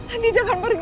andi jangan pergi